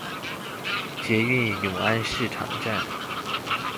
捷運永安市場站